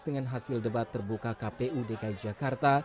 dengan hasil debat terbuka kpu dki jakarta